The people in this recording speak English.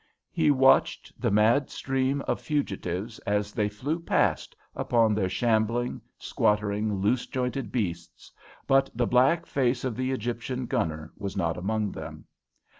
He watched the mad stream of fugitives as they flew past upon their shambling, squattering, loose jointed beasts, but the black face of the Egyptian gunner was not among them.